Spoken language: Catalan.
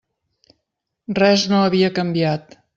Res no havia canviat.